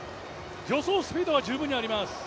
助走スピードは十分にあります。